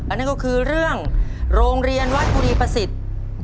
นั่นก็คือเรื่องโรงเรียนวัดบุรีประสิทธิ์